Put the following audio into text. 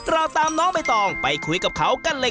เราตามน้องใบตองไปคุยกับเขากันเลย